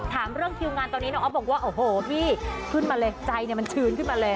ถามเรื่องคิวงานตอนนี้น้องอ๊อฟบอกว่าโอ้โหพี่ขึ้นมาเลยใจมันชื้นขึ้นมาเลย